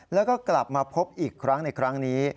แล้วก็กลับมาพบอีกครั้งในครั้งนี้